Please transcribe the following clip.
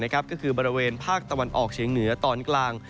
ก็คือบริเวณภาคตะวันออกเฉียงเหนือตอนกลาง